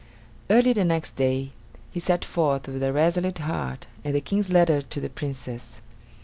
Early the next day he set forth, with a resolute heart and the King's letter to the Princess.